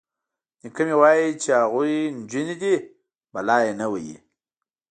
_نيکه مې وايي چې هغوی نجونې دي، بلا يې نه وهي.